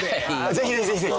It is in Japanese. ぜひぜひぜひぜひ。